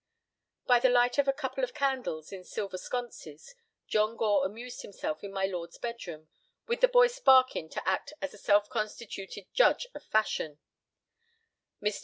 By the light of a couple of candles in silver sconces John Gore amused himself in my lord's bedroom, with the boy Sparkin to act as a self constituted judge of fashions. Mr.